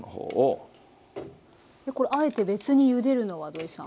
これあえて別にゆでるのは土井さん。